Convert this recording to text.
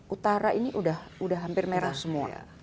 utara ini sudah hampir merah semua